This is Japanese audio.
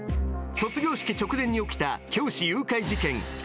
卒業式直前に起きた教師誘拐事件。